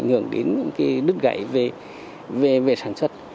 ngưỡng đến những cái đứt gãy về sản xuất